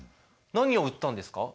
何を売ったんですか？